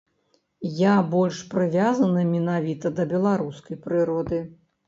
Я больш прывязаны менавіта да беларускай прыроды.